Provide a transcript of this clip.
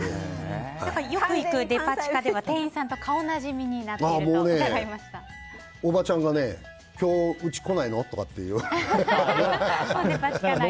よく行くデパ地下では店員さんと顔なじみにもうね、おばちゃんがね今日来ないの？とか言う。